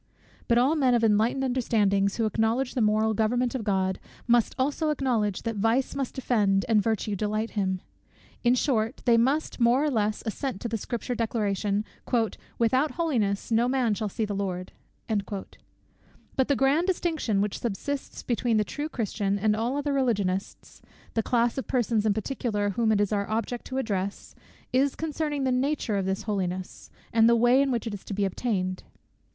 But all men of enlightened understandings, who acknowledge the moral government of God, must also acknowledge, that vice must offend and virtue delight him. In short they must, more or less, assent to the Scripture declaration, "without holiness no man shall see the Lord." But the grand distinction, which subsists between the true Christian and all other Religionists, (the class of persons in particular whom it is our object to address) is concerning the nature of this holiness, and the way in which it is to be obtained.